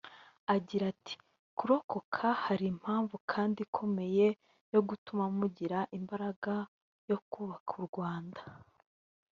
Agira ati “Kurokoka hari impamvu kandi ikomeye yo gutuma mugira imbaraga yo kubaka u Rwanda”